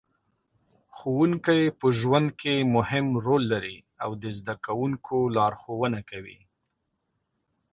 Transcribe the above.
ښوونکې په ژوند کې مهم رول لري او د زده کوونکو لارښوونه کوي.